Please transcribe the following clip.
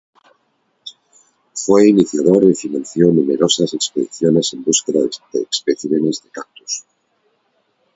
Fue iniciador y financió numerosas expediciones en búsqueda de especímenes de cactus.